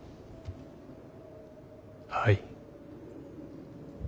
はい。